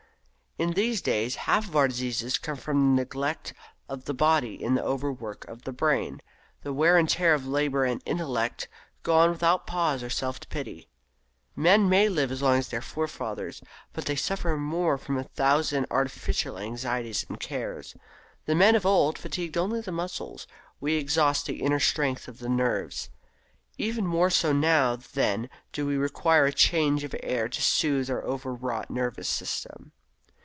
In these days half of our diseases come from the neglect of the body in the overwork of the brain. The wear and tear of labour and intellect go on without pause or self pity. Men may live as long as their forefathers, but they suffer more from a thousand artificial anxieties and cares. The men of old fatigued only the muscles, we exhaust the finer strength of the nerves. Even more so now, then, do we require a change of air to soothe our overwrought nervous system.